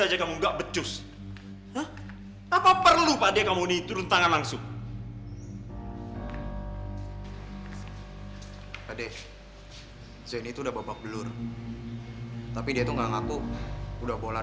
aku permisi dulu ya